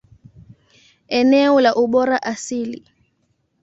Eneo la ubora asili.